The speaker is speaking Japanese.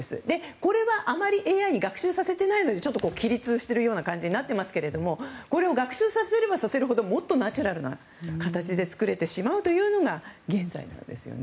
これはあまりＡＩに学習させてないので起立してるような感じになってますけどこれを学習させれば、させるほどもっとナチュラルな形で作れてしまうというのが現在なんですよね。